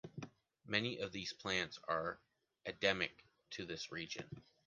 Many of these plants are endemic to this region.